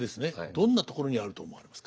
どんなところにあると思われますか？